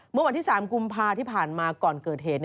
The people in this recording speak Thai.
เมื่อวันที่๓กุมภาที่ผ่านมาก่อนเกิดเหตุ